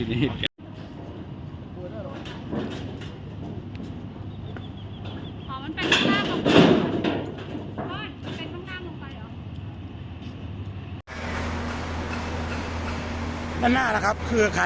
อันที่สุดท้ายก็คือภาษาอันที่สุดท้าย